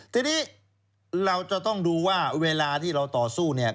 ทีนี้เราจะต้องดูว่าเวลาที่เราต่อสู้เนี่ย